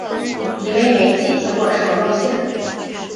以为没寄，结果是我漏信了